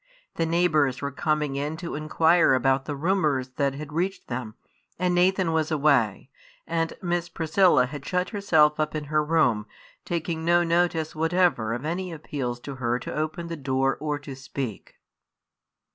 The neighbours were coming in to inquire about the rumours that had reached them, and Nathan was away, and Miss Priscilla had shut herself up in her room, taking no notice whatever of any appeals to her to open the door or to speak.